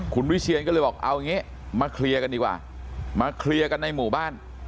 คุณวิเชียนก็เลยบอกเอาอย่างนี้มาเคลียร์กันดีกว่ามาเคลียร์กันในหมู่บ้าน